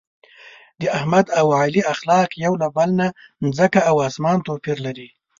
د احمد او علي اخلاق یو له بل نه ځمکه او اسمان توپیر لري.